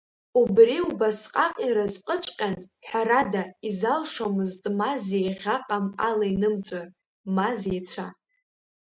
Убри убасҟак иразҟыҵәҟьан, ҳәарада, изалшомызт ма зеиӷьаҟам ала инымҵәар, ма зеицәа…